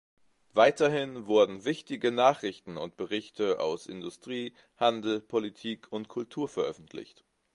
Weiterhin wurden wichtige Nachrichten und Berichte aus Industrie, Handel, Politik und Kultur veröffentlicht.